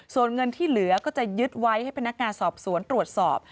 ส่วนเงินที่เหลือก็จะยึดไว้ให้พนักงานสอบสวนตรวจสอบ